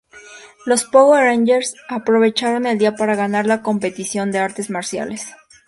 Los Power Rangers aprovecharon el día para ganar la competición de artes marciales.